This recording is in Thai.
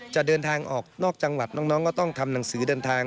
จะเดินทางออกนอกจังหวัดน้องก็ต้องทำหนังสือเดินทาง